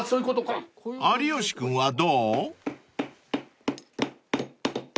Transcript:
［有吉君はどう？］